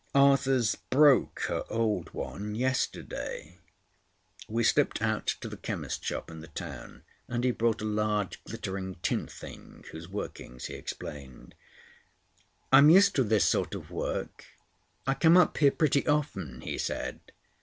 Arthurs broke her old one yesterday." We slipped out to the chemist's shop in the town, and he bought a large glittering tin thing whose workings he explained. "I'm used to this sort of work. I come up here pretty often," he said.